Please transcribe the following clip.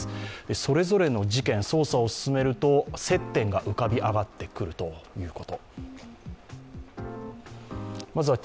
それぞれの事件、捜査を進めると接点が浮かび上がってくるということ。